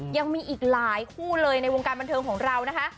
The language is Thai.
ยังมีอีกหลายคู่เลยในวงการบันเทิงของเรานะคะ